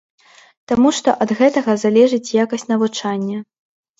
Таму што ад гэтага залежыць якасць навучання.